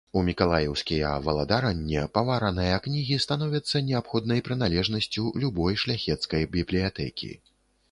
У мікалаеўскія валадаранне павараныя кнігі становяцца неабходнай прыналежнасцю любой шляхецкай бібліятэкі.